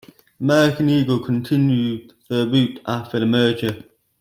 American Eagle continued the route after the merger.